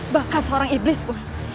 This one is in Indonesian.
bahkan seorang iblis pun